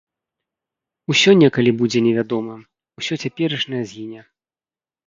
Усё некалі будзе невядомым, усё цяперашняе згіне.